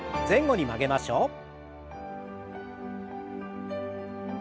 前後に曲げましょう。